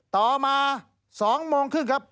ต่อมา๒โมงครึ่งครับ